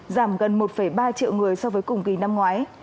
giảm gần một ba triệu người so với cùng kỳ năm ngoái